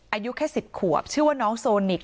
อายุแค่๑๐ขวบชื่อว่าน้องโซนิก